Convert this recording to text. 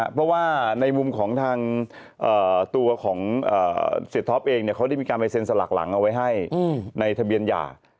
เพราะว่าในมุมของทางตัวของเสียท็อปเองเขาได้มีการไปเซ็นสลักหลังเอาไว้ให้ในทะเบียนหย่า